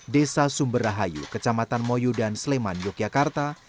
desa sumber rahayu kecamatan moyu dan sleman yogyakarta